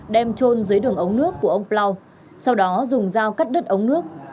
đem trôn dưới đường ống nước của ông plau sau đó dùng dao cắt đất ống nước